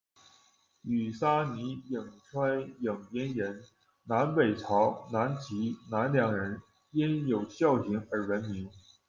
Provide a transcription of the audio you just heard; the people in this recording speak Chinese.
庾沙弥，颍川颍阴人，南北朝南齐、南梁人，因有孝行而闻名。